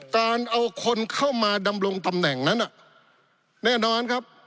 การเอาคนเข้ามาดำรงตำแหน่งนั้นแน่นอนครับ